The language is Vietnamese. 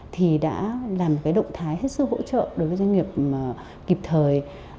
thì đã làm cái động thái hết sức hỗ trợ đối với doanh nghiệp kịp thời